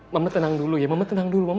mama tenang dulu ya mama tenang dulu mama